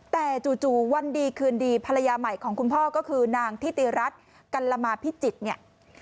แต่จู่วันดีคืนดีภรรยาใหม่ของคุณพ่อก็คือนางทิติรัฐกัลละมาพิจิตรเนี่ย